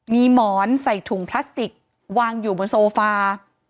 มีหมอนใส่ถุงพลาสติกวางอยู่บนโซฟา